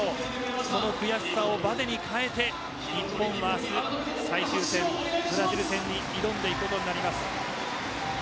その悔しさをばねに変えて日本は明日最終戦、ブラジル戦に挑んでいくことになります。